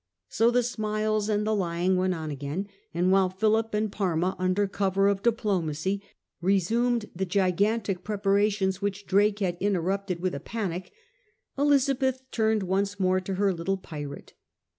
So the smiles and the lying went on again ; and while Philip and Parma, under cover of diplomacy, resumed the gigantic preparations which Drake had interrupted with a panic, Elizabeth turned once more to her little pirate.